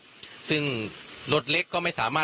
ตอนนี้ผมอยู่ในพื้นที่อำเภอโขงเจียมจังหวัดอุบลราชธานีนะครับ